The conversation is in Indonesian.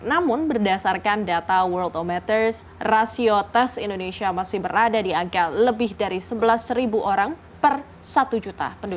namun berdasarkan data world ometers rasio tes indonesia masih berada di angka lebih dari sebelas orang per satu juta